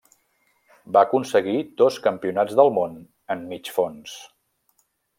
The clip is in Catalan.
Va aconseguir dos Campionats del món en Mig Fons.